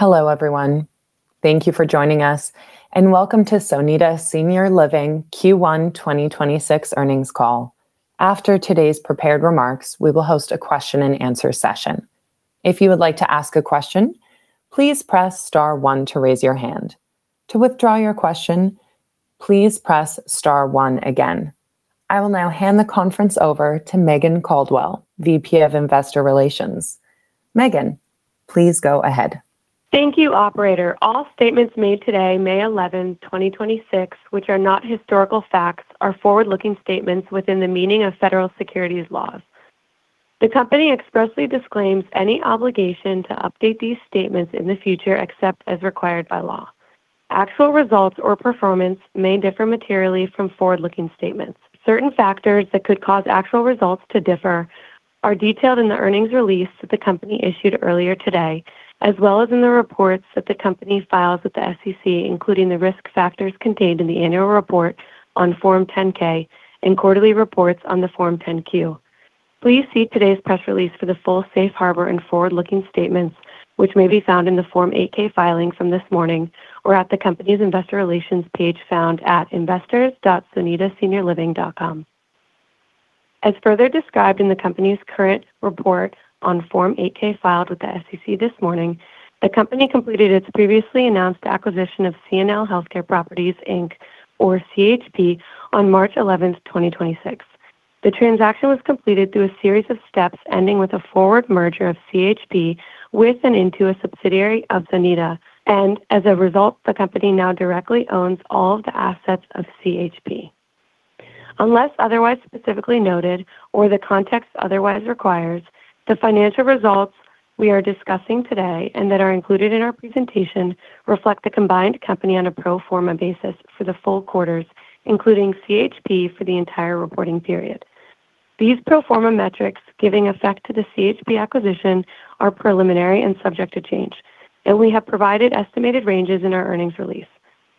Hello, everyone. Thank you for joining us, and welcome to Sonida Senior Living Q1 2026 Earnings Call. After today's prepared remarks, we will host a question and answer session. If you would like to ask a question, please press star one to raise your hand. To withdraw your question, please press star one again. I will now hand the conference over to Megan Caldwell, VP of Investor Relations. Megan, please go ahead. Thank you, operator. All statements made today, May 11, 2026, which are not historical facts, are forward-looking statements within the meaning of federal securities laws. The company expressly disclaims any obligation to update these statements in the future, except as required by law. Actual results or performance may differ materially from forward-looking statements. Certain factors that could cause actual results to differ are detailed in the earnings release that the company issued earlier today, as well as in the reports that the company files with the SEC, including the risk factors contained in the annual report on Form 10-K and quarterly reports on the Form 10-Q. Please see today's press release for the full safe harbor and forward-looking statements, which may be found in the Form 8-K filing from this morning, or at the company's investor relations page found at investors.sonidaseniorliving.com. As further described in the company's current report on Form 8-K filed with the SEC this morning, the company completed its previously announced acquisition of CNL Healthcare Properties, Inc., or CHP, on March 11, 2026. The transaction was completed through a series of steps ending with a forward merger of CHP with and into a subsidiary of Sonida, and as a result, the company now directly owns all of the assets of CHP. Unless otherwise specifically noted or the context otherwise requires, the financial results we are discussing today and that are included in our presentation reflect the combined company on a pro forma basis for the full quarters, including CHP for the entire reporting period. These pro forma metrics giving effect to the CHP acquisition are preliminary and subject to change, and we have provided estimated ranges in our earnings release.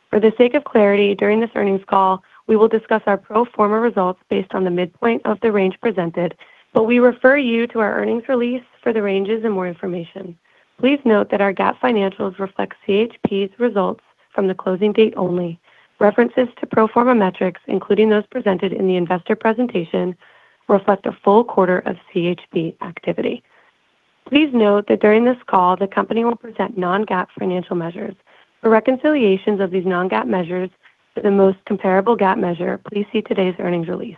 For the sake of clarity, during this earnings call, we will discuss our pro forma results based on the midpoint of the range presented, but we refer you to our earnings release for the ranges and more information. Please note that our GAAP financials reflect CHP's results from the closing date only. References to pro forma metrics, including those presented in the investor presentation, reflect a full quarter of CHP activity. Please note that during this call, the company will present non-GAAP financial measures. For reconciliations of these non-GAAP measures to the most comparable GAAP measure, please see today's earnings release.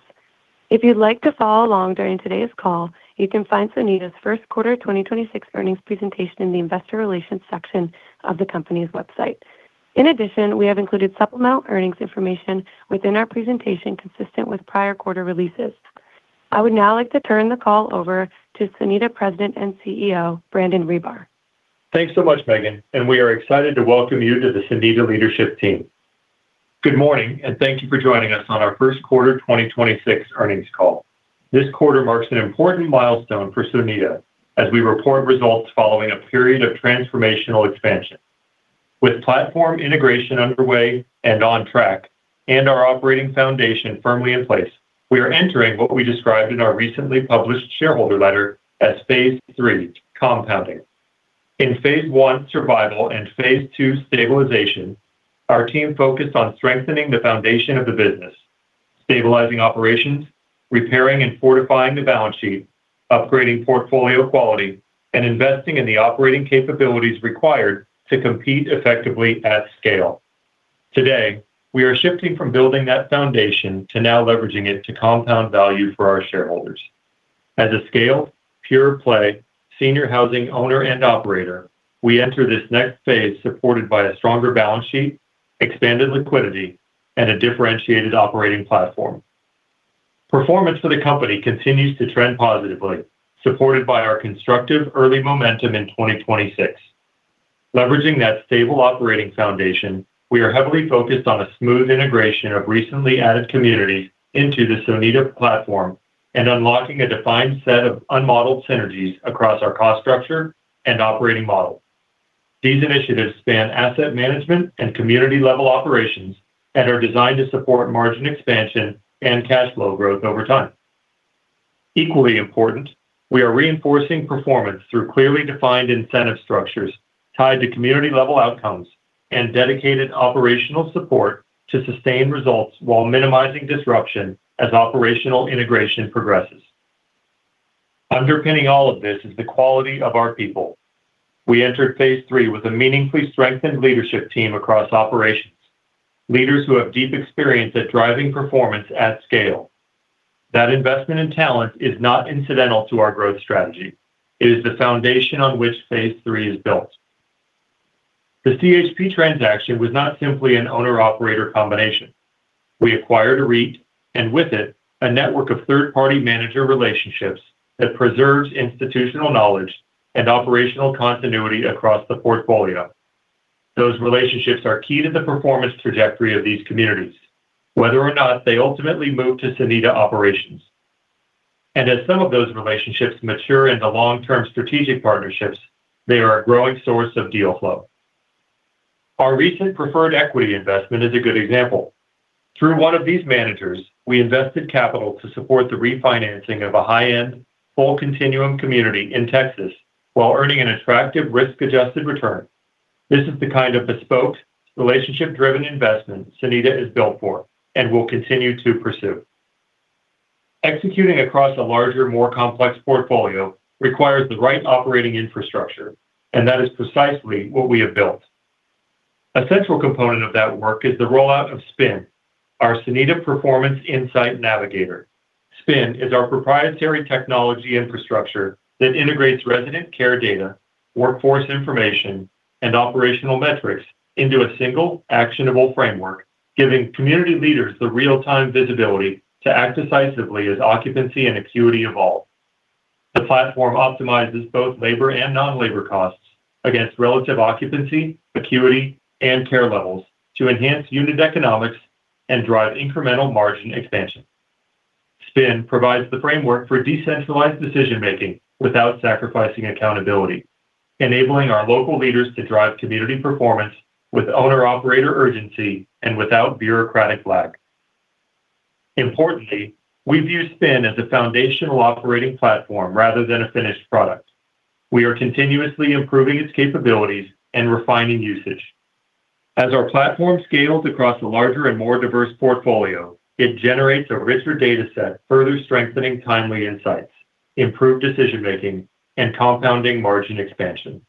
If you'd like to follow along during today's call, you can find Sonida's first quarter 2026 earnings presentation in the investor relations section of the company's website. In addition, we have included supplemental earnings information within our presentation consistent with prior quarter releases. I would now like to turn the call over to Sonida President and CEO, Brandon Ribar. Thanks so much, Megan, and we are excited to welcome you to the Sonida leadership team. Good morning, and thank you for joining us on our first quarter 2026 earnings call. This quarter marks an important milestone for Sonida as we report results following a period of transformational expansion. With platform integration underway and on track and our operating foundation firmly in place, we are entering what we described in our recently published shareholder letter as phase III, compounding. In phase I, survival, and phase II, stabilization, our team focused on strengthening the foundation of the business, stabilizing operations, repairing and fortifying the balance sheet, upgrading portfolio quality, and investing in the operating capabilities required to compete effectively at scale. Today, we are shifting from building that foundation to now leveraging it to compound value for our shareholders. As a scale, pure-play senior housing owner and operator, we enter this next phase supported by a stronger balance sheet, expanded liquidity, and a differentiated operating platform. Performance for the company continues to trend positively, supported by our constructive early momentum in 2026. Leveraging that stable operating foundation, we are heavily focused on a smooth integration of recently added communities into the Sonida platform and unlocking a defined set of unmodeled synergies across our cost structure and operating model. These initiatives span asset management and community-level operations and are designed to support margin expansion and cash flow growth over time. Equally important, we are reinforcing performance through clearly defined incentive structures tied to community-level outcomes and dedicated operational support to sustain results while minimizing disruption as operational integration progresses. Underpinning all of this is the quality of our people. We entered phase III with a meaningfully strengthened leadership team across operations, leaders who have deep experience at driving performance at scale. That investment in talent is not incidental to our growth strategy. It is the foundation on which phase III is built. The CHP transaction was not simply an owner/operator combination. We acquired a REIT, and with it, a network of third-party manager relationships that preserves institutional knowledge and operational continuity across the portfolio. Those relationships are key to the performance trajectory of these communities, whether or not they ultimately move to Sonida operations. As some of those relationships mature into long-term strategic partnerships, they are a growing source of deal flow. Our recent preferred equity investment is a good example. Through one of these managers, we invested capital to support the refinancing of a high-end full continuum community in Texas while earning an attractive risk-adjusted return. This is the kind of bespoke relationship-driven investment Sonida is built for and will continue to pursue. Executing across a larger, more complex portfolio requires the right operating infrastructure, and that is precisely what we have built. A central component of that work is the rollout of SPIN, our Sonida Performance Insight Navigator. SPIN is our proprietary technology infrastructure that integrates resident care data, workforce information, and operational metrics into a single actionable framework, giving community leaders the real-time visibility to act decisively as occupancy and acuity evolve. The platform optimizes both labor and non-labor costs against relative occupancy, acuity, and care levels to enhance unit economics and drive incremental margin expansion. SPIN provides the framework for decentralized decision-making without sacrificing accountability, enabling our local leaders to drive community performance with owner-operator urgency and without bureaucratic lag. Importantly, we view SPIN as a foundational operating platform rather than a finished product. We are continuously improving its capabilities and refining usage. As our platform scales across a larger and more diverse portfolio, it generates a richer data set, further strengthening timely insights, improved decision-making, and compounding margin expansion.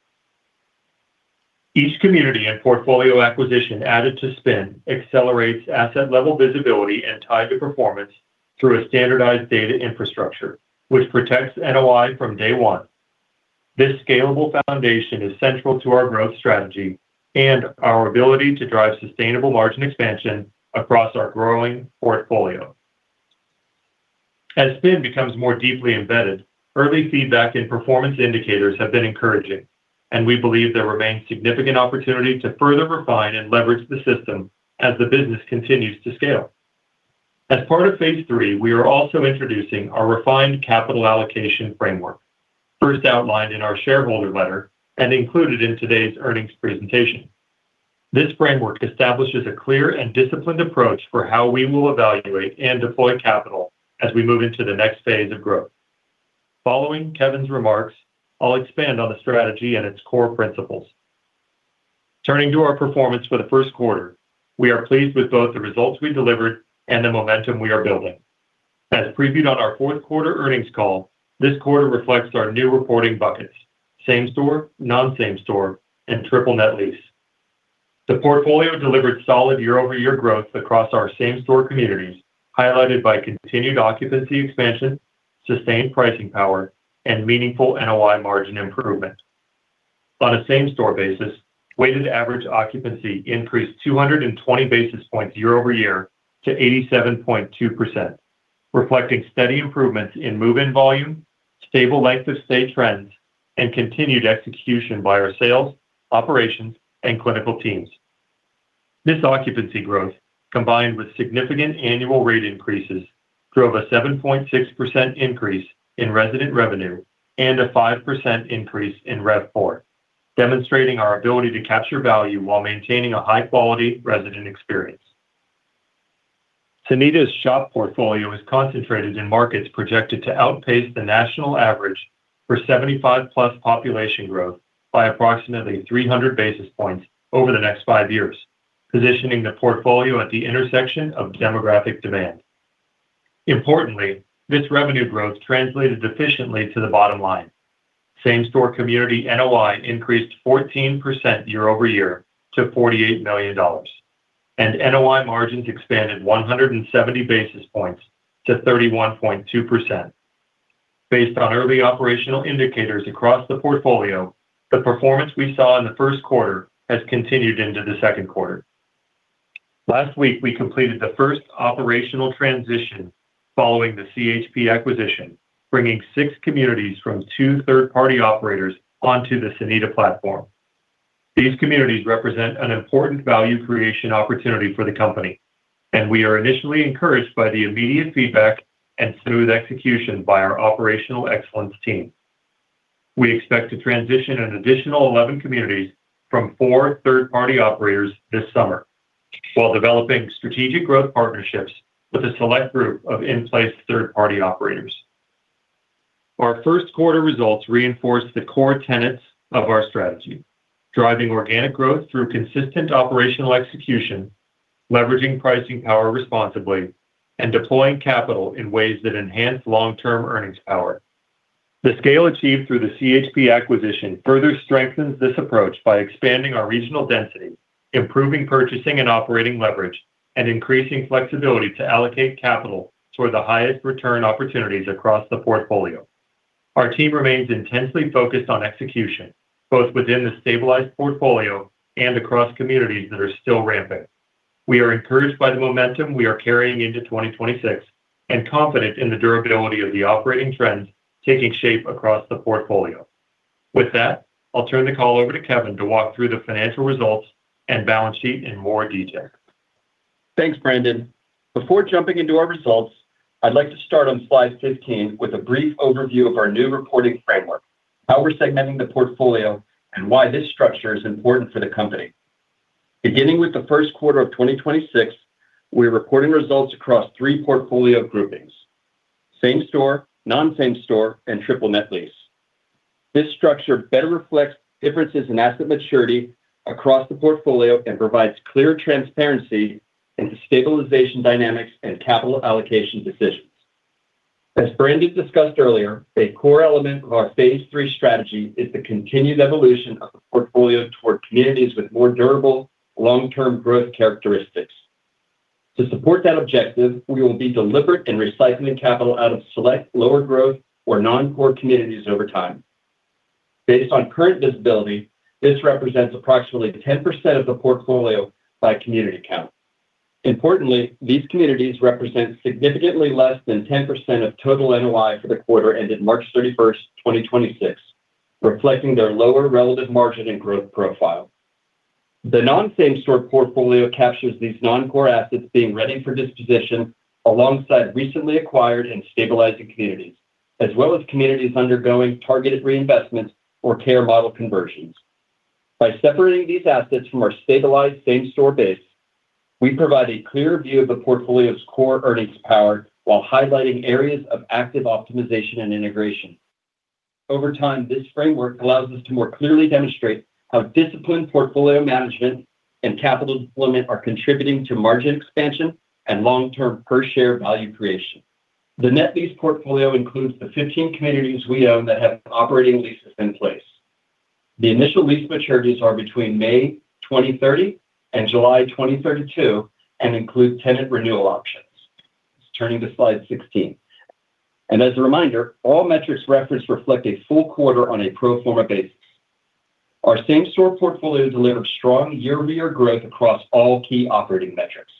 Each community and portfolio acquisition added to SPIN accelerates asset-level visibility and tied to performance through a standardized data infrastructure, which protects NOI from day 1. This scalable foundation is central to our growth strategy and our ability to drive sustainable margin expansion across our growing portfolio. As SPIN becomes more deeply embedded, early feedback and performance indicators have been encouraging, and we believe there remains significant opportunity to further refine and leverage the system as the business continues to scale. As part of phase III, we are also introducing our refined capital allocation framework, first outlined in our shareholder letter and included in today's earnings presentation. This framework establishes a clear and disciplined approach for how we will evaluate and deploy capital as we move into the next phase of growth. Following Kevin's remarks, I'll expand on the strategy and its core principles. Turning to our performance for the first quarter, we are pleased with both the results we delivered and the momentum we are building. As previewed on our fourth quarter earnings call, this quarter reflects our new reporting buckets, same store, non-same store, and triple net lease. The portfolio delivered solid year-over-year growth across our same-store communities, highlighted by continued occupancy expansion, sustained pricing power, and meaningful NOI margin improvement. On a same-store basis, weighted average occupancy increased 220 basis points year-over-year to 87.2%, reflecting steady improvements in move-in volume, stable length of stay trends, and continued execution by our sales, operations, and clinical teams. This occupancy growth, combined with significant annual rate increases, drove a 7.6% increase in resident revenue and a 5% increase in RevPOR, demonstrating our ability to capture value while maintaining a high-quality resident experience. Sonida's SHOP portfolio is concentrated in markets projected to outpace the national average for 75+ population growth by approximately 300 basis points over the next five years, positioning the portfolio at the intersection of demographic demand. Importantly, this revenue growth translated efficiently to the bottom line. Same-store community NOI increased 14% year-over-year to $48 million, and NOI margins expanded 170 basis points to 31.2%. Based on early operational indicators across the portfolio, the performance we saw in the first quarter has continued into the second quarter. Last week, we completed the 1st operational transition following the CHP acquisition, bringing six communities from two third-party operators onto the Sonida platform. These communities represent an important value creation opportunity for the company, and we are initially encouraged by the immediate feedback and smooth execution by our operational excellence team. We expect to transition an additional 11 communities from four third-party operators this summer while developing strategic growth partnerships with a select group of in-place third-party operators. Our first quarter results reinforce the core tenets of our strategy, driving organic growth through consistent operational execution, leveraging pricing power responsibly, and deploying capital in ways that enhance long-term earnings power. The scale achieved through the CHP acquisition further strengthens this approach by expanding our regional density, improving purchasing and operating leverage, and increasing flexibility to allocate capital toward the highest return opportunities across the portfolio. Our team remains intensely focused on execution, both within the stabilized portfolio and across communities that are still ramping. We are encouraged by the momentum we are carrying into 2026 and confident in the durability of the operating trends taking shape across the portfolio. With that, I'll turn the call over to Kevin to walk through the financial results and balance sheet in more detail. Thanks, Brandon. Before jumping into our results, I'd like to start on slide 15 with a brief overview of our new reporting framework, how we're segmenting the portfolio, and why this structure is important for the company. Beginning with the first quarter of 2026, we're recording results across three portfolio groupings: same-store, non-same store, and triple net lease. This structure better reflects differences in asset maturity across the portfolio and provides clear transparency into stabilization dynamics and capital allocation decisions. As Brandon discussed earlier, a core element of our phase III strategy is the continued evolution of the portfolio toward communities with more durable long-term growth characteristics. To support that objective, we will be deliberate in recycling capital out of select lower growth or non-core communities over time. Based on current visibility, this represents approximately 10% of the portfolio by community count. Importantly, these communities represent significantly less than 10% of total NOI for the quarter ended March 31, 2026, reflecting their lower relative margin and growth profile. The non-same store portfolio captures these non-core assets being ready for disposition alongside recently acquired and stabilizing communities, as well as communities undergoing targeted reinvestments or care model conversions. By separating these assets from our stabilized same-store base, we provide a clear view of the portfolio's core earnings power while highlighting areas of active optimization and integration. Over time, this framework allows us to more clearly demonstrate how disciplined portfolio management and capital deployment are contributing to margin expansion and long-term per share value creation. The net lease portfolio includes the 15 communities we own that have operating leases in place. The initial lease maturities are between May 2030 and July 2032 and include tenant renewal options. Turning to slide 16. As a reminder, all metrics referenced reflect a full quarter on a pro forma basis. Our same-store portfolio delivered strong year-over-year growth across all key operating metrics.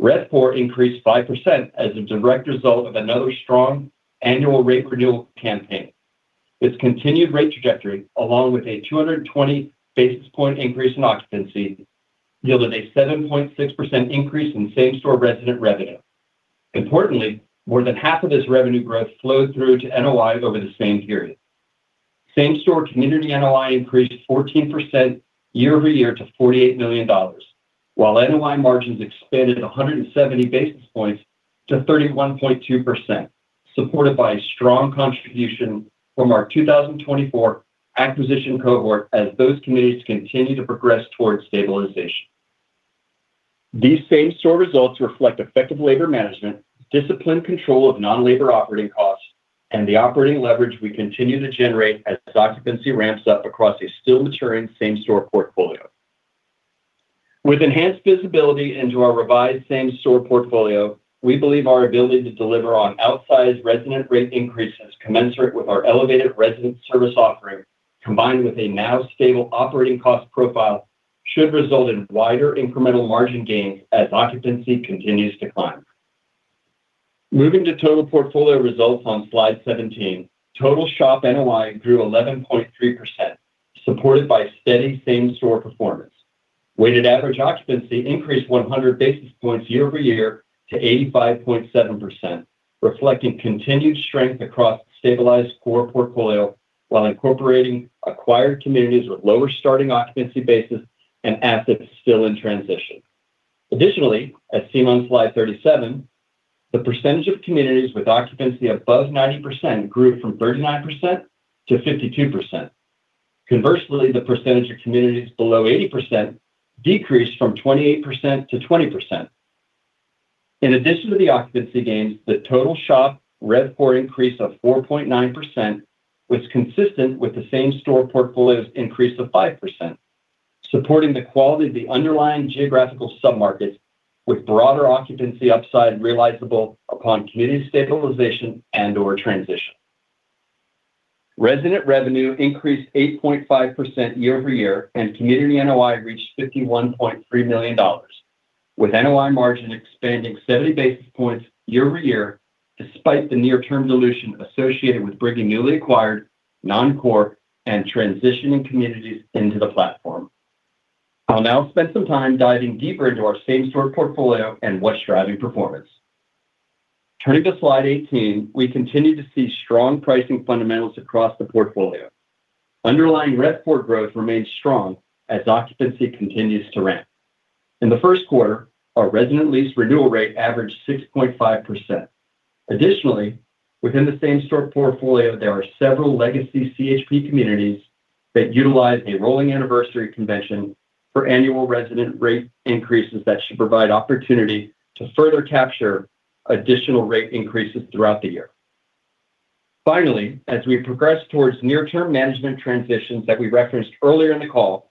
RevPOR increased 5% as a direct result of another strong annual rate renewal campaign. This continued rate trajectory, along with a 220 basis point increase in occupancy, yielded a 7.6% increase in same-store resident revenue. Importantly, more than half of this revenue growth flowed through to NOIs over the same period. Same-store community NOI increased 14% year-over-year to $48 million, while NOI margins expanded 170 basis points to 31.2%, supported by strong contribution from our 2024 acquisition cohort as those communities continue to progress towards stabilization. These same-store results reflect effective labor management, disciplined control of non-labor operating costs, and the operating leverage we continue to generate as occupancy ramps up across a still maturing same-store portfolio. With enhanced visibility into our revised same-store portfolio, we believe our ability to deliver on outsized resident rate increases commensurate with our elevated resident service offering, combined with a now stable operating cost profile, should result in wider incremental margin gains as occupancy continues to climb. Moving to total portfolio results on slide 17. Total SHOP NOI grew 11.3%, supported by steady same-store performance. Weighted average occupancy increased 100 basis points year-over-year to 85.7%, reflecting continued strength across the stabilized core portfolio while incorporating acquired communities with lower starting occupancy basis and assets still in transition. Additionally, as seen on slide 37, the percentage of communities with occupancy above 90% grew from 39%-52%. Conversely, the percentage of communities below 80% decreased from 28%-20%. In addition to the occupancy gains, the total SHOP RevPOR increase of 4.9% was consistent with the same-store portfolio's increase of 5%, supporting the quality of the underlying geographical submarkets with broader occupancy upside realizable upon community stabilization and/or transition. Resident revenue increased 8.5% year-over-year, and community NOI reached $51.3 million, with NOI margin expanding 70 basis points year-over-year despite the near-term dilution associated with bringing newly acquired non-core and transitioning communities into the platform. I'll now spend some time diving deeper into our same-store portfolio and what's driving performance. Turning to slide 18. We continue to see strong pricing fundamentals across the portfolio. Underlying RevPOR growth remains strong as occupancy continues to ramp. In the first quarter, our resident lease renewal rate averaged 6.5%. Additionally, within the same-store portfolio, there are several legacy CHP communities that utilize a rolling anniversary convention for annual resident rate increases that should provide opportunity to further capture additional rate increases throughout the year. Finally, as we progress towards near-term management transitions that we referenced earlier in the call,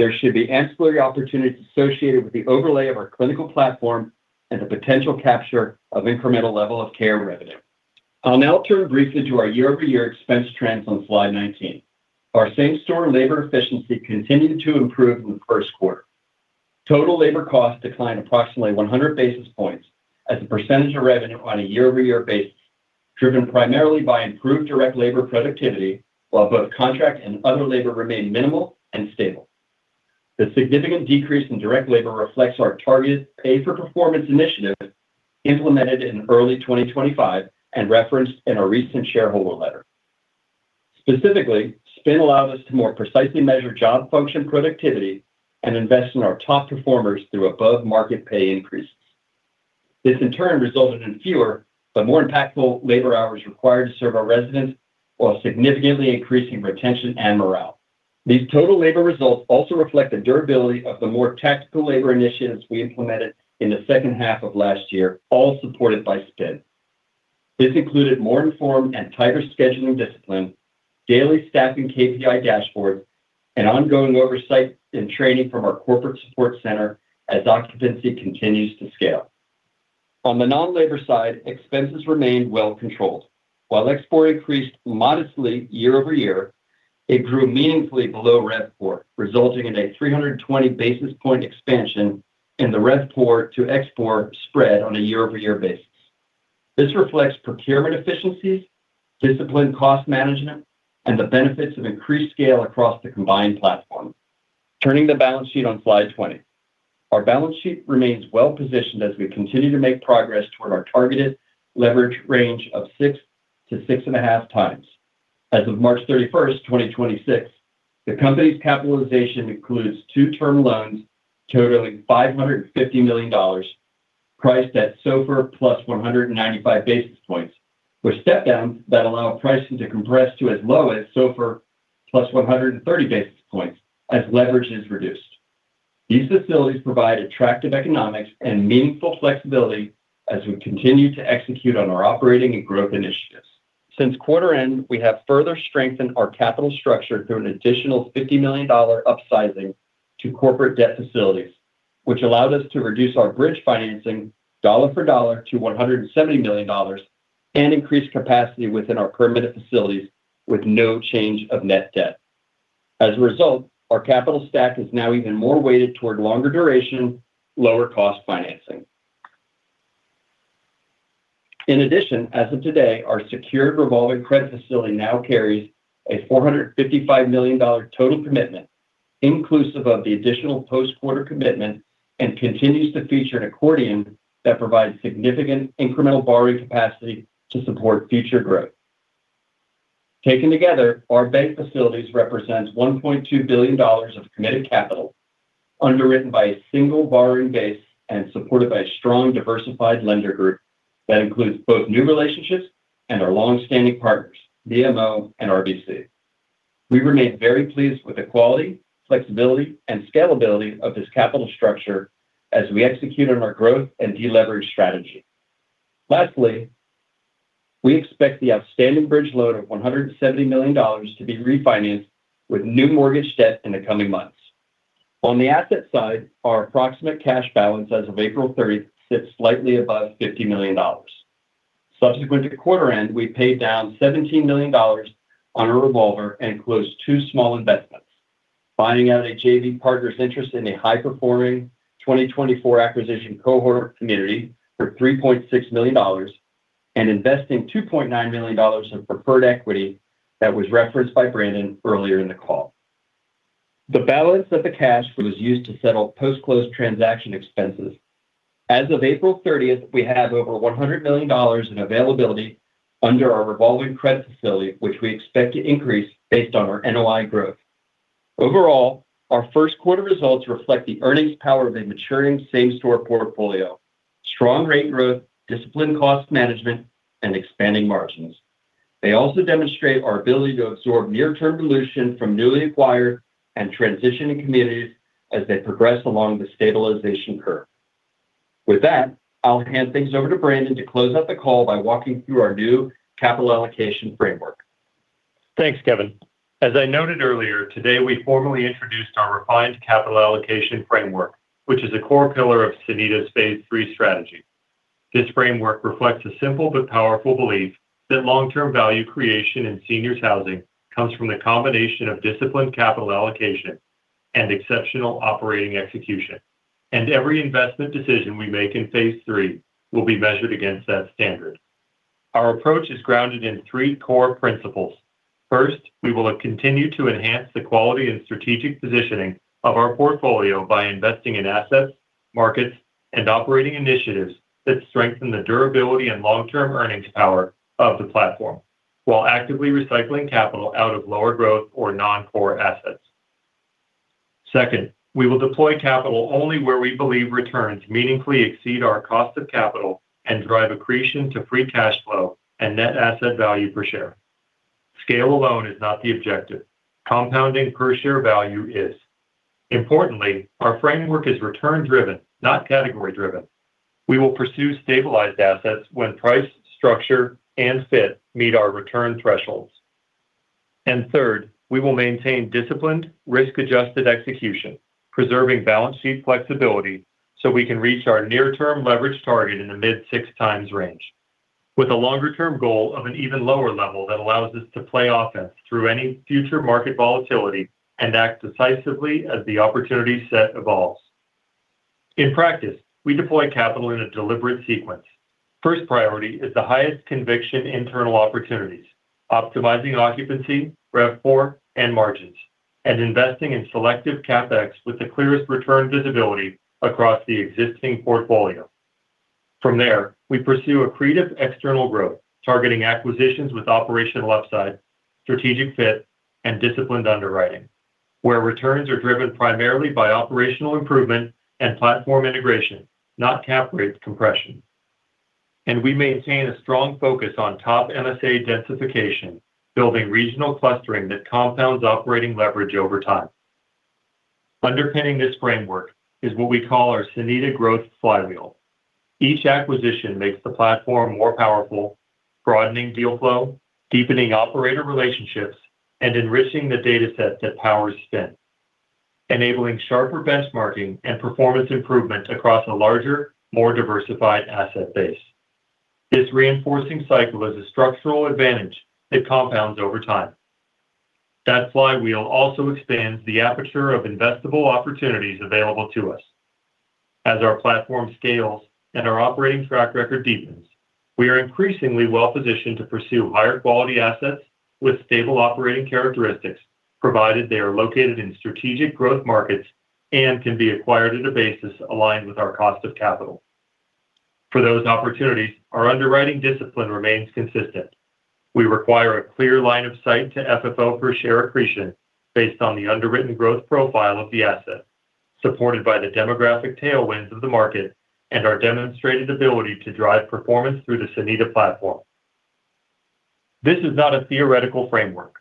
there should be ancillary opportunities associated with the overlay of our clinical platform and the potential capture of incremental level of care revenue. I'll now turn briefly to our year-over-year expense trends on slide 19. Our same-store labor efficiency continued to improve in the first quarter. Total labor costs declined approximately 100 basis points as a percentage of revenue on a year-over-year basis. Driven primarily by improved direct labor productivity, while both contract and other labor remained minimal and stable. The significant decrease in direct labor reflects our targeted pay-for-performance initiative implemented in early 2025 and referenced in our recent shareholder letter. Specifically, SPIN allowed us to more precisely measure job function productivity and invest in our top performers through above-market pay increases. This, in turn, resulted in fewer but more impactful labor hours required to serve our residents while significantly increasing retention and morale. These total labor results also reflect the durability of the more tactical labor initiatives we implemented in the second half of last year, all supported by SPIN. This included more informed and tighter scheduling discipline, daily staffing KPI dashboards, and ongoing oversight and training from our corporate support center as occupancy continues to scale. On the non-labor side, expenses remained well controlled. While RevPOR increased modestly year-over-year, it grew meaningfully below RevPOR, resulting in a 320 basis point expansion in the RevPOR to expense spread on a year-over-year basis. This reflects procurement efficiencies, disciplined cost management, and the benefits of increased scale across the combined platform. Turning the balance sheet on slide 20. Our balance sheet remains well-positioned as we continue to make progress toward our targeted leverage range of 6x to 6.5x. As of March 31st, 2026, the company's capitalization includes two term loans totaling $550 million, priced at SOFR plus 195 basis points, with step downs that allow pricing to compress to as low as SOFR plus 130 basis points as leverage is reduced. These facilities provide attractive economics and meaningful flexibility as we continue to execute on our operating and growth initiatives. Since quarter end, we have further strengthened our capital structure through an additional $50 million upsizing to corporate debt facilities, which allowed us to reduce our bridge financing dollar for dollar to $170 million and increase capacity within our permanent facilities with no change of net debt. As a result, our capital stack is now even more weighted toward longer duration, lower cost financing. As of today, our secured revolving credit facility now carries a $455 million total commitment, inclusive of the additional post-quarter commitment, and continues to feature an accordion that provides significant incremental borrowing capacity to support future growth. Taken together, our bank facilities represent $1.2 billion of committed capital underwritten by a single borrowing base and supported by a strong, diversified lender group that includes both new relationships and our long-standing partners, BMO and RBC. We remain very pleased with the quality, flexibility, and scalability of this capital structure as we execute on our growth and deleverage strategy. We expect the outstanding bridge loan of $170 million to be refinanced with new mortgage debt in the coming months. On the asset side, our approximate cash balance as of April 30 sits slightly above $50 million. Subsequent to quarter end, we paid down $17 million on a revolver and closed two small investments, buying out a JV partner's interest in a high-performing 2024 acquisition cohort community for $3.6 million and investing $2.9 million in preferred equity that was referenced by Brandon earlier in the call. The balance of the cash was used to settle post-close transaction expenses. As of April 30th, we have over $100 million in availability under our revolving credit facility, which we expect to increase based on our NOI growth. Overall, our first quarter results reflect the earnings power of a maturing same store portfolio, strong rate growth, disciplined cost management, and expanding margins. They also demonstrate our ability to absorb near-term dilution from newly acquired and transitioning communities as they progress along the stabilization curve. With that, I'll hand things over to Brandon to close out the call by walking through our new capital allocation framework. Thanks, Kevin. As I noted earlier, today we formally introduced our refined capital allocation framework, which is a core pillar of Sonida's phase III strategy. This framework reflects a simple but powerful belief that long-term value creation in seniors housing comes from the combination of disciplined capital allocation and exceptional operating execution. Every investment decision we make in phase III will be measured against that standard. Our approach is grounded in three core principles. First, we will continue to enhance the quality and strategic positioning of our portfolio by investing in assets, markets, and operating initiatives that strengthen the durability and long-term earnings power of the platform while actively recycling capital out of lower growth or non-core assets. Second, we will deploy capital only where we believe returns meaningfully exceed our cost of capital and drive accretion to free cash flow and net asset value per share. Scale alone is not the objective. Compounding per share value is. Importantly, our framework is return driven, not category driven. We will pursue stabilized assets when price, structure, and fit meet our return thresholds. Third, we will maintain disciplined risk-adjusted execution, preserving balance sheet flexibility so we can reach our near-term leverage target in the mid 6x range with a longer-term goal of an even lower level that allows us to play offense through any future market volatility and act decisively as the opportunity set evolves. In practice, we deploy capital in a deliberate sequence. First priority is the highest conviction internal opportunities, optimizing occupancy, RevPOR, and margins, and investing in selective CapEx with the clearest return visibility across the existing portfolio. From there, we pursue accretive external growth, targeting acquisitions with operational upside, strategic fit, and disciplined underwriting, where returns are driven primarily by operational improvement and platform integration, not cap rate compression. We maintain a strong focus on top MSA densification, building regional clustering that compounds operating leverage over time. Underpinning this framework is what we call our Sonida growth flywheel. Each acquisition makes the platform more powerful, broadening deal flow, deepening operator relationships, and enriching the data set that powers SPIN, enabling sharper benchmarking and performance improvement across a larger, more diversified asset base. This reinforcing cycle is a structural advantage that compounds over time. That flywheel also expands the aperture of investable opportunities available to us. As our platform scales and our operating track record deepens, we are increasingly well-positioned to pursue higher quality assets with stable operating characteristics, provided they are located in strategic growth markets and can be acquired at a basis aligned with our cost of capital. For those opportunities, our underwriting discipline remains consistent. We require a clear line of sight to FFO per share accretion based on the underwritten growth profile of the asset, supported by the demographic tailwinds of the market and our demonstrated ability to drive performance through the Sonida platform. This is not a theoretical framework.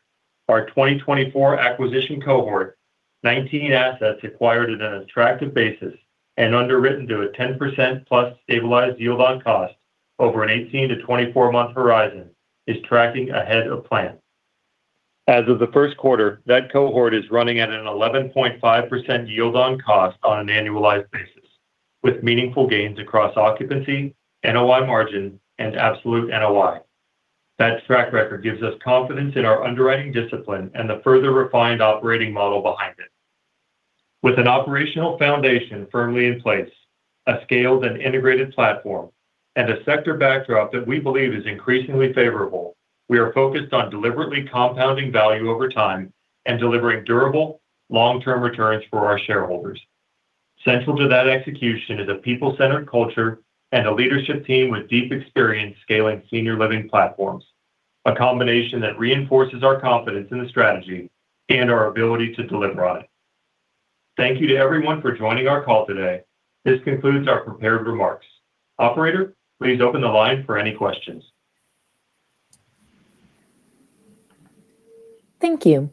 Our 2024 acquisition cohort, 19 assets acquired at an attractive basis and underwritten to a 10%+ stabilized yield on cost over an 18 month-24 month horizon, is tracking ahead of plan. As of the first quarter, that cohort is running at an 11.5% yield on cost on an annualized basis, with meaningful gains across occupancy, NOI margin, and absolute NOI. That track record gives us confidence in our underwriting discipline and the further refined operating model behind it. With an operational foundation firmly in place, a scaled and integrated platform, and a sector backdrop that we believe is increasingly favorable, we are focused on deliberately compounding value over time and delivering durable long-term returns for our shareholders. Central to that execution is a people-centered culture and a leadership team with deep experience scaling senior living platforms, a combination that reinforces our confidence in the strategy and our ability to deliver on it. Thank you to everyone for joining our call today. This concludes our prepared remarks. Operator, please open the line for any questions. Thank you.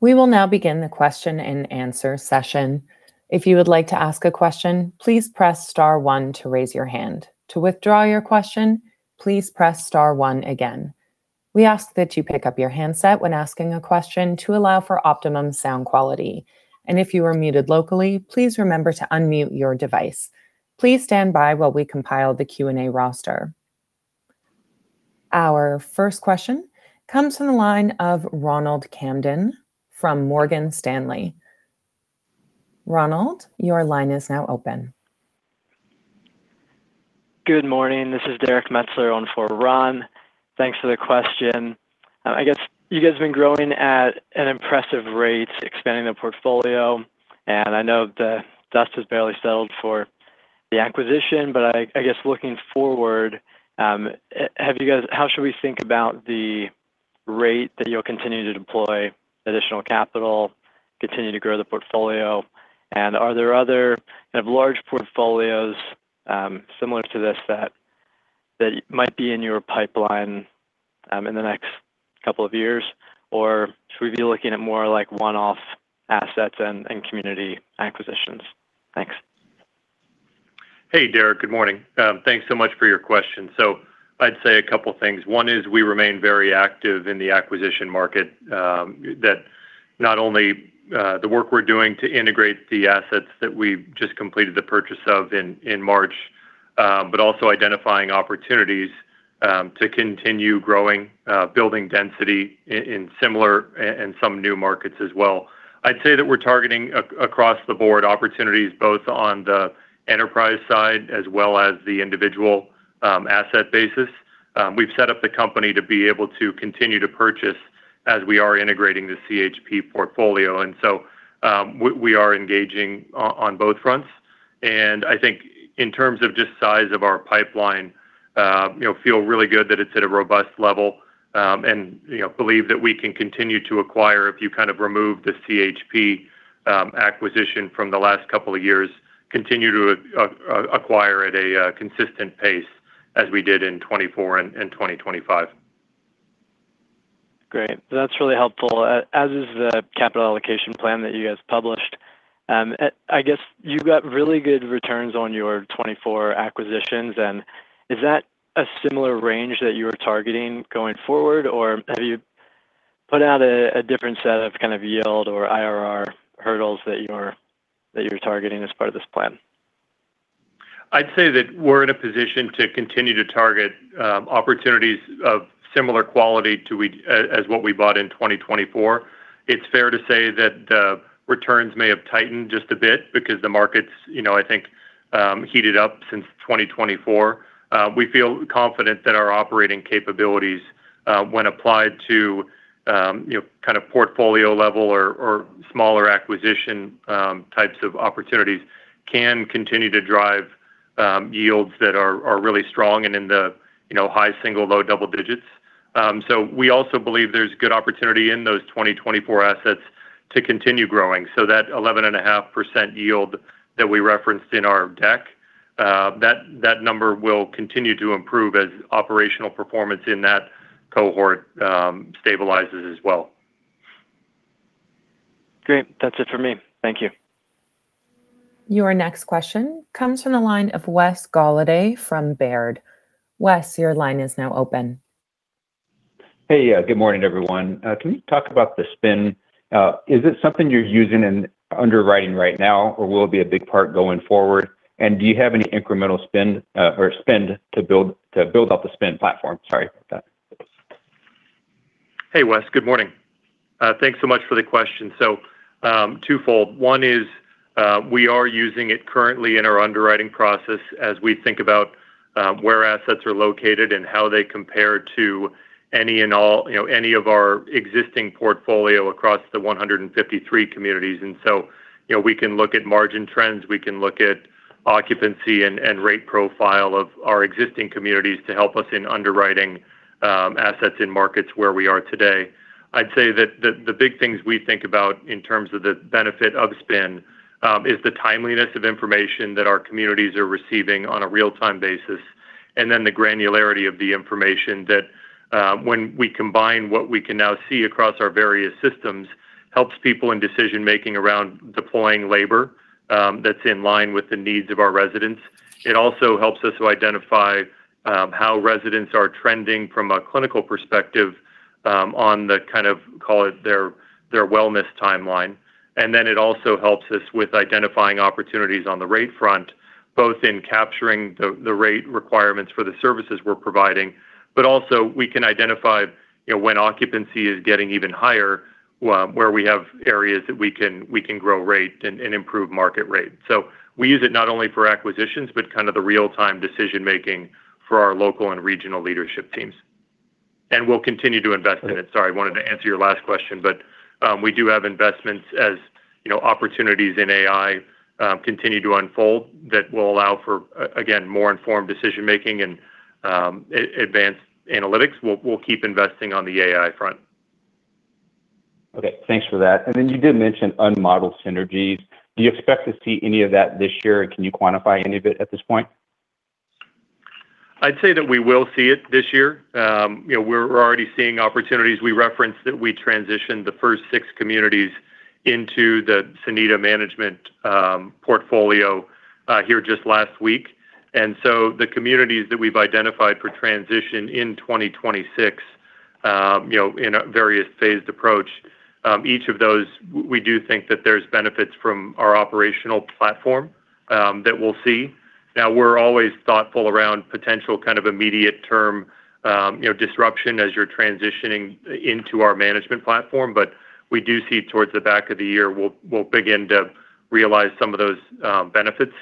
We will now begin the question and answer session. If you would like to ask a question, please press star one to raise your hand. To withdraw your question, please press star one again. We ask that you pick up your handset when asking a question to allow for optimum sound quality. And if you are muted locally, please remember to unmute your device. Please stand by while we compile the Q&A roster. Our first question comes from the line of Ronald Kamdem from Morgan Stanley. Ronald, your line is now open. Good morning. This is Derrick Metzler on for Ron. Thanks for the question. I guess you guys have been growing at an impressive rate, expanding the portfolio, and I know the dust has barely settled for the acquisition. I guess looking forward, how should we think about the rate that you'll continue to deploy additional capital, continue to grow the portfolio? Are there other kind of large portfolios similar to this that might be in your pipeline in the next couple of years? Should we be looking at more, like, one-off assets and community acquisitions? Thanks. Hey, Derrick. Good morning. Thanks so much for your question. I'd say a couple things. One is we remain very active in the acquisition market, that not only the work we're doing to integrate the assets that we just completed the purchase of in March, but also identifying opportunities to continue growing, building density in similar and some new markets as well. I'd say that we're targeting across the board opportunities both on the enterprise side as well as the individual asset basis. We've set up the company to be able to continue to purchase as we are integrating the CHP portfolio. We are engaging on both fronts. I think in terms of just size of our pipeline, you know, feel really good that it's at a robust level, and, you know, believe that we can continue to acquire if you kind of remove the CHP acquisition from the last couple of years, continue to acquire at a consistent pace as we did in 2024 and 2025. Great. That's really helpful, as is the capital allocation plan that you guys published. I guess you got really good returns on your 2024 acquisitions. Is that a similar range that you are targeting going forward, or have you put out a different set of kind of yield or IRR hurdles that you're targeting as part of this plan? I'd say that we're in a position to continue to target opportunities of similar quality as what we bought in 2024. It's fair to say that the returns may have tightened just a bit because the market's, you know, I think, heated up since 2024. We feel confident that our operating capabilities, when applied to, you know, kind of portfolio level or smaller acquisition types of opportunities can continue to drive yields that are really strong and in the, you know, high single, low double digits. We also believe there's good opportunity in those 2024 assets to continue growing. That 11.5% yield that we referenced in our deck, that number will continue to improve as operational performance in that cohort stabilizes as well. Great. That's it for me. Thank you. Your next question comes from the line of Wes Golladay from Baird. Wes, your line is now open. Hey. Good morning, everyone. Can you talk about the SPIN? Is it something you're using in underwriting right now, or will it be a big part going forward? Do you have any incremental SPIN, or spend to build out the SPIN platform? Sorry. Hey, Wes. Good morning. Thanks so much for the question. Twofold. One is, we are using it currently in our underwriting process as we think about, where assets are located and how they compare to any and all, you know, any of our existing portfolio across the 153 communities. You know, we can look at margin trends, we can look at occupancy and rate profile of our existing communities to help us in underwriting assets in markets where we are today. I'd say that the big things we think about in terms of the benefit of SPIN, is the timeliness of information that our communities are receiving on a real-time basis, and then the granularity of the information that, when we combine what we can now see across our various systems, helps people in decision-making around deploying labor, that's in line with the needs of our residents. It also helps us to identify, how residents are trending from a clinical perspective, on the kind of call it their wellness timeline. Then it also helps us with identifying opportunities on the rate front, both in capturing the rate requirements for the services we're providing. Also we can identify, you know, when occupancy is getting even higher, where we have areas that we can grow rate and improve market rate. We use it not only for acquisitions, but kind of the real-time decision-making for our local and regional leadership teams. We'll continue to invest in it. Sorry, I wanted to answer your last question. We do have investments as, you know, opportunities in AI continue to unfold that will allow for again more informed decision-making and advanced analytics. We'll keep investing on the AI front. Okay. Thanks for that. You did mention unmodeled synergies. Do you expect to see any of that this year? Can you quantify any of it at this point? I'd say that we will see it this year. you know, we're already seeing opportunities. We referenced that we transitioned the first six communities into the Sonida management portfolio here just last week. The communities that we've identified for transition in 2026, you know, in a various phased approach, each of those we do think that there's benefits from our operational platform that we'll see. Now, we're always thoughtful around potential kind of immediate term, you know, disruption as you're transitioning into our management platform. We do see towards the back of the year, we'll begin to realize some of those benefits.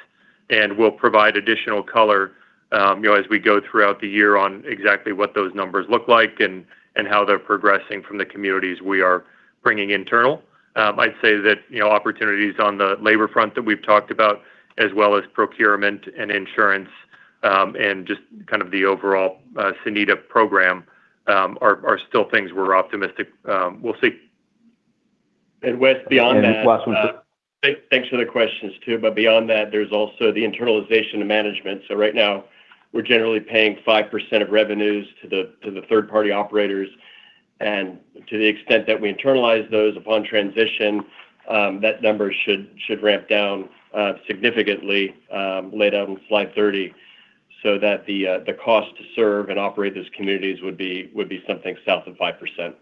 We'll provide additional color, you know, as we go throughout the year on exactly what those numbers look like and how they're progressing from the communities we are bringing internal. I'd say that, you know, opportunities on the labor front that we've talked about, as well as procurement and insurance, and just kind of the overall Sonida program, are still things we're optimistic, we'll see. Wes, beyond that. Last one- Thanks for the questions too. Beyond that, there's also the internalization of management. Right now we're generally paying 5% of revenues to the third party operators. To the extent that we internalize those upon transition, that number should ramp down significantly, laid out in slide 30, so that the cost to serve and operate those communities would be something south of 5%.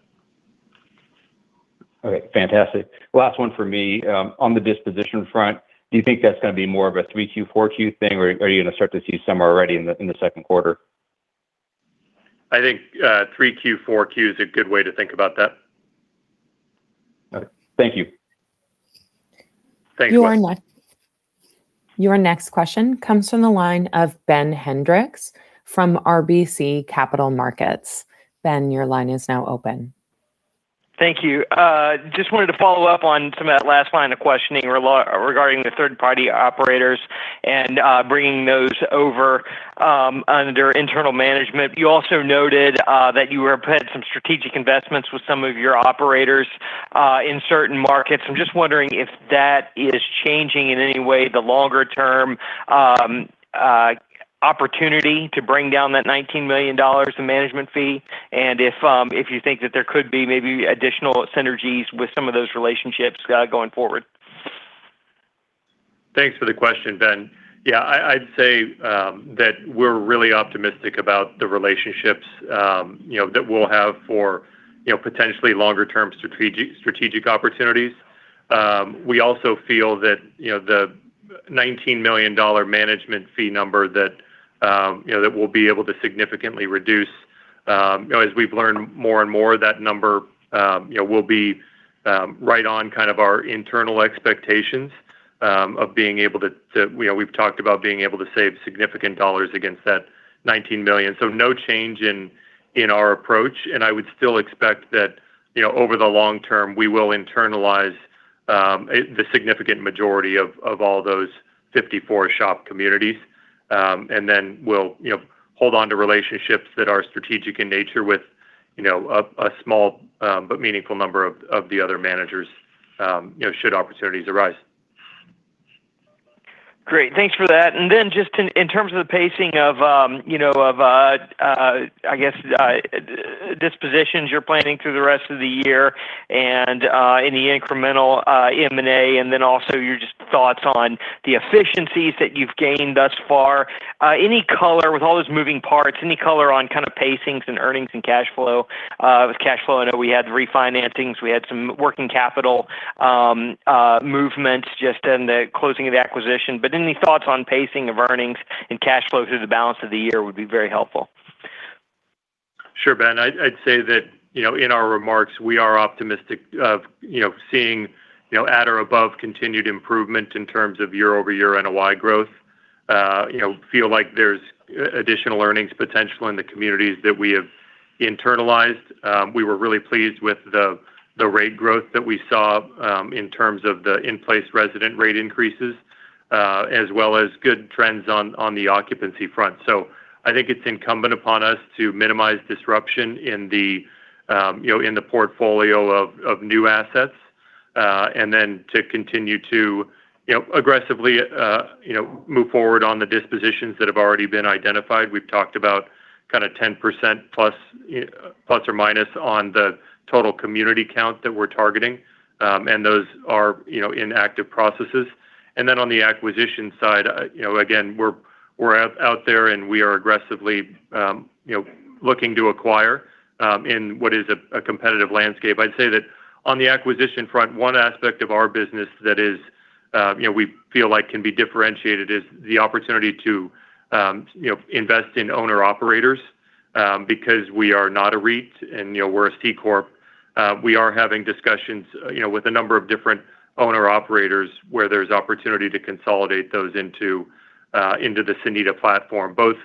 Okay. Fantastic. Last one for me. On the disposition front, do you think that's gonna be more of a 3Q, 4Q thing, or are you gonna start to see some already in the second quarter? I think, 3Q, 4Q is a good way to think about that. Okay. Thank you. Thanks. Your next question comes from the line of Ben Hendrix from RBC Capital Markets. Ben, your line is now open. Thank you. Just wanted to follow up on some of that last line of questioning regarding the third party operators and bringing those over under internal management. You also noted that you were putting some strategic investments with some of your operators in certain markets. I'm just wondering if that is changing in any way the longer term opportunity to bring down that $19 million in management fee, and if you think that there could be maybe additional synergies with some of those relationships going forward? Thanks for the question, Ben. Yeah, I'd say that we're really optimistic about the relationships, you know, that we'll have for, you know, potentially longer term strategic opportunities. We also feel that, you know, the $19 million management fee number that, you know, that we'll be able to significantly reduce, you know, as we've learned more and more that number, you know, will be right on kind of our internal expectations of being able to. You know, we've talked about being able to save significant dollars against that $19 million. No change in our approach, and I would still expect that, you know, over the long term, we will internalize the significant majority of all those 54 SHOP communities. Then we'll, you know, hold on to relationships that are strategic in nature with, you know, a small, but meaningful number of the other managers, you know, should opportunities arise. Great. Thanks for that. Then just in terms of the pacing of, you know, dispositions you're planning through the rest of the year and any incremental M&A, and then also your just thoughts on the efficiencies that you've gained thus far. Any color with all those moving parts, any color on kind of pacings and earnings and cash flow? With cash flow, I know we had refinancings, we had some working capital movements just in the closing of the acquisition. Any thoughts on pacing of earnings and cash flow through the balance of the year would be very helpful. Sure, Ben. I'd say that, you know, in our remarks, we are optimistic of, you know, seeing, you know, at or above continued improvement in terms of year-over-year NOI growth. You know, feel like there's additional earnings potential in the communities that we have internalized. We were really pleased with the rate growth that we saw in terms of the in-place resident rate increases, as well as good trends on the occupancy front. I think it's incumbent upon us to minimize disruption in the, you know, in the portfolio of new assets, then to continue to, you know, aggressively, you know, move forward on the dispositions that have already been identified. We've talked about kind of 10% plus or minus on the total community count that we're targeting. Those are, you know, in active processes. Then on the acquisition side, you know, again, we're out there. We are aggressively, you know, looking to acquire in what is a competitive landscape. I'd say that on the acquisition front, one aspect of our business that is, you know, we feel like can be differentiated is the opportunity to, you know, invest in owner operators because we are not a REIT and, you know, we're a C-corp. We are having discussions, you know, with a number of different owner operators where there's opportunity to consolidate those into the Sonida platform, both,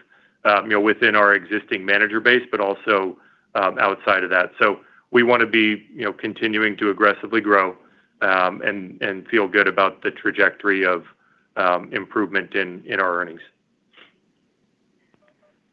you know, within our existing manager base, but also outside of that. We want to be, you know, continuing to aggressively grow, and feel good about the trajectory of improvement in our earnings.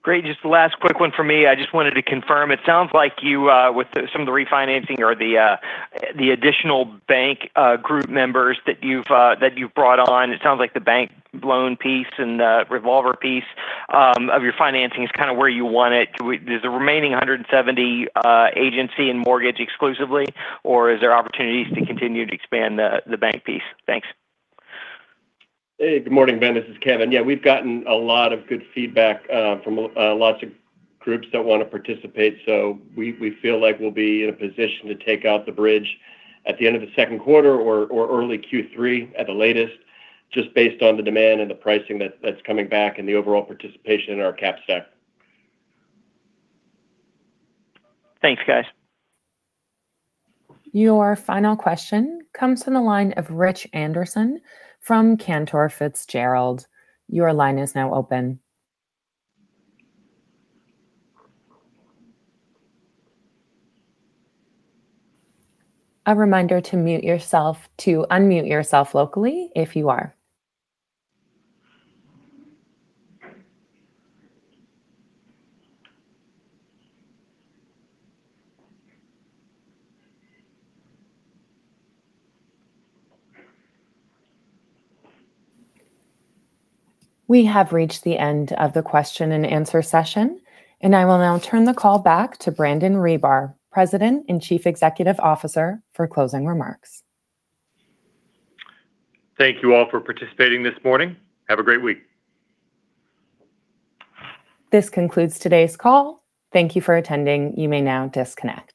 Great. Just the last quick one for me. I just wanted to confirm, it sounds like you, with some of the refinancing or the additional bank group members that you've that you've brought on, it sounds like the bank loan piece and the revolver piece of your financing is kinda where you want it. Is the remaining $170 agency and mortgage exclusively, or is there opportunities to continue to expand the bank piece? Thanks. Hey, good morning, Ben. This is Kevin. Yeah, we've gotten a lot of good feedback from lots of groups that wanna participate. We feel like we'll be in a position to take out the bridge at the end of the second quarter or early Q3 at the latest, just based on the demand and the pricing that's coming back and the overall participation in our cap stack. Thanks, guys. Your final question comes from the line of Rich Anderson from Cantor Fitzgerald. Your line is now open. A reminder to unmute yourself locally if you are. We have reached the end of the question-and-answer session, and I will now turn the call back to Brandon Ribar, President and Chief Executive Officer, for closing remarks. Thank you all for participating this morning. Have a great week. This concludes today's call. Thank you for attending. You may now disconnect.